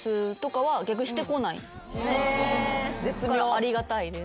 ありがたいです。